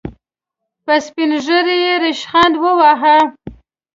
په سپين ږيرو يې ريشخند وواهه.